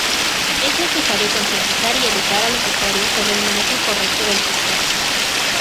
Es necesario concientizar y educar a los usuarios sobre el manejo correcto del sistema.